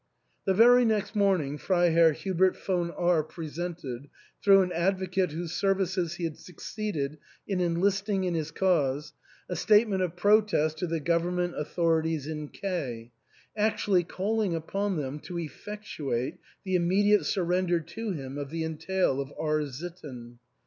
The very next morning Freiherr Hubert von R —— presented, through an advocate whose services he had succeeded in enlisting in his cause, a statement of pro test to the government authorities in K , actually calling upon them to effectuate the immediate surrender to him of the entail of R — sitten.